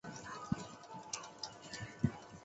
附近有台北捷运府中站及亚东医院站。